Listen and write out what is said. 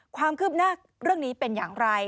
ความคืบหน้าเรื่องนี้เป็นอย่างไร